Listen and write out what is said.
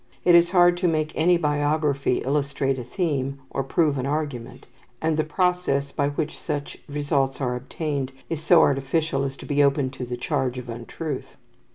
It is hard to make any biography illustrate a theme, or prove an argument; and the process by which such results are obtained is so artificial as to be open to the charge of untruth.